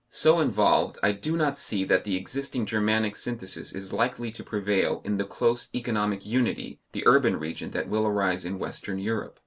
So involved, I do not see that the existing Germanic synthesis is likely to prevail in the close economic unity, the urban region that will arise in Western Europe.